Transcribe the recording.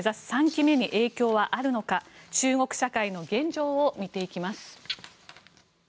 ３期目に影響はあるのか中国社会の現状を見ていきます。